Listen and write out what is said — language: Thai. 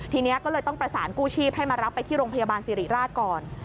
ทีนี้ก็เลยต้องประสานกู้ชีพให้มารับไปที่โรงพยาบาลสิริราชก่อน